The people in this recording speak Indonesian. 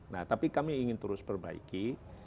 nah tapi kami ingin terus perbaiki